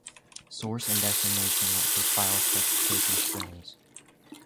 Source and destination were "file specification" strings.